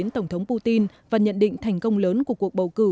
tổng thống putin và nhận định thành công lớn của cuộc bầu cử